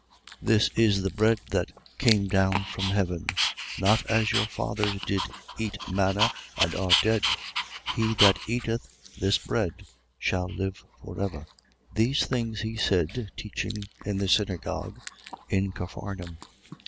6:59. This is the bread that came down from heaven. Not as your fathers did eat manna and are dead. He that eateth this bread shall live for ever. 6:60. These things he said, teaching in the synagogue, in Capharnaum.